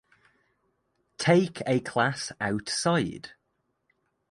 Take a class outside